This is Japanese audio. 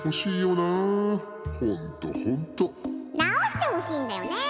「なおしてほしいんだよね」。